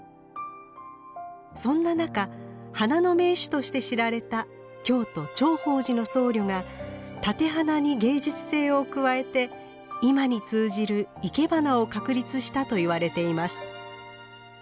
そんな中花の名手として知られた京都頂法寺の僧侶が立て花に芸術性を加えて今に通じるいけばなを確立したといわれています。